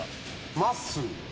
まっすー。